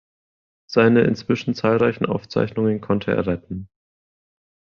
Seine inzwischen zahlreichen Aufzeichnungen konnte er retten.